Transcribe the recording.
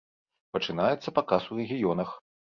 Пачынаецца паказ у рэгіёнах.